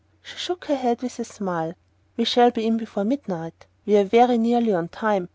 She shook her head with a smile. "We shall be in before midnight. We're very nearly on time."